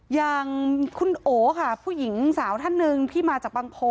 อย่างคุณโอค่ะผู้หญิงสาวท่านหนึ่งที่มาจากบางโพ